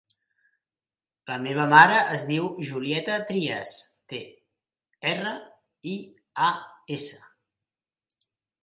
La meva mare es diu Julieta Trias: te, erra, i, a, essa.